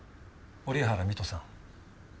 折原美都さん。